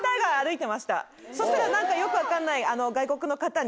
そしたらよく分かんない。